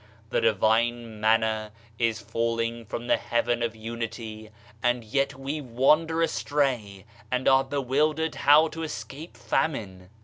The divine Manna is falling from the Heaven of Unity, and yet we wander astray and are bewildered how to escape famine!